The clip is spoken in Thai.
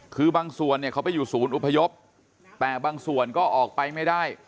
คือบางส่วนเนี่ยเขาไปอยู่ศูนย์อพยพแต่บางส่วนก็ออกไปไม่ได้